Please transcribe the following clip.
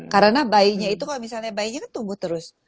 karena bayinya itu kalau misalnya bayinya kan tumbuh terus